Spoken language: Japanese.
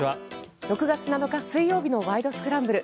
６月７日、水曜日の「ワイド！スクランブル」。